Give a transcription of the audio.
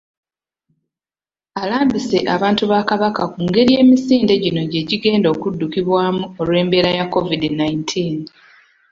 Alambise abantu ba Kabaka ku ngeri emisinde gino gye gigenda okuddukibwamu olw'embeera ya COVID nineteen